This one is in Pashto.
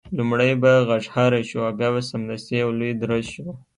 لومړی به غږهارۍ شو او بیا به سمدستي یو لوی درز شو.